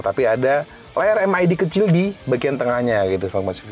tapi ada layar mid kecil di bagian tengahnya gitu bang maksudnya